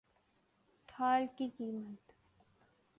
ڈھال کی قیمت